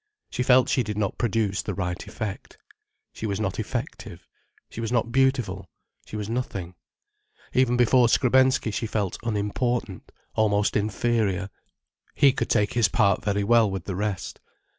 She felt she did not produce the right effect. She was not effective: she was not beautiful: she was nothing. Even before Skrebensky she felt unimportant, almost inferior. He could take his part very well with the rest.